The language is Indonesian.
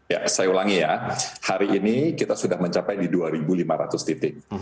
ya saya ulangi ya hari ini kita sudah mencapai di dua lima ratus titik